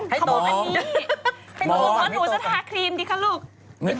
พริสเก็ทยังโหลยะดูอย่างงี้ขนมดูอย่างงี้มอง